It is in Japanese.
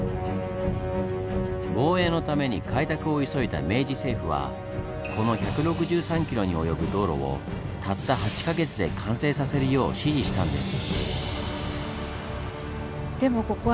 防衛のために開拓を急いだ明治政府はこの１６３ｋｍに及ぶ道路をたった８か月で完成させるよう指示したんです。